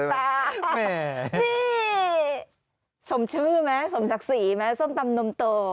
นี่สมชื่อไหมสมศักดิ์ศรีไหมส้มตำนมโต